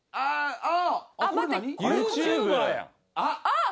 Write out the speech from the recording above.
あっ！